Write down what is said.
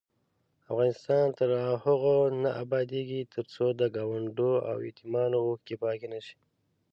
افغانستان تر هغو نه ابادیږي، ترڅو د کونډو او یتیمانو اوښکې پاکې نشي.